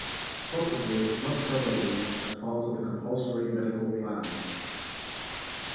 Hospitals must cover these as part of the Compulsory Medical Plan.